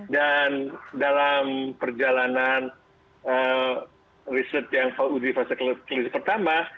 dan dalam perjalanan riset yang uji fase klinis pertama